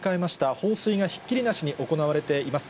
放水がひっきりなしに行われています。